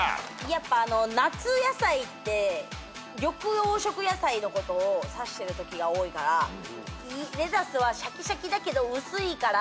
やっぱ夏野菜って緑黄色野菜のことを指してるときが多いからレタスはシャキシャキだけど薄いから。